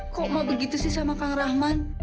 kok emak begitu sih sama kank rahman